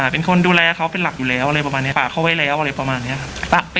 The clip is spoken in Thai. เป็นคนดูแลเขาเป็นหลักอยู่แล้วอะไรประมาณนี้ฝากเขาไว้แล้วอะไรประมาณนี้ครับ